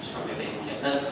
seperti itu ya